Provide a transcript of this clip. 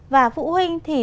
và phụ huynh thì